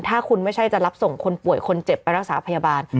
ถ้าคุณไม่ใช่จะรับส่งคนป่วยคนเจ็บไปรักษาพยาบาล